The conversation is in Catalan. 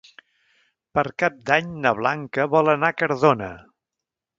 Per Cap d'Any na Blanca vol anar a Cardona.